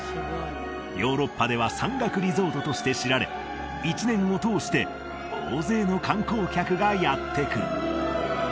ヨーロッパでは山岳リゾートとして知られ一年を通して大勢の観光客がやって来る